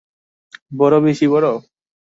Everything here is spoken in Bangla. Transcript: বড়, বেশি বড়?